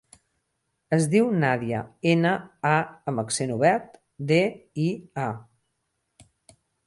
Es diu Nàdia: ena, a amb accent obert, de, i, a.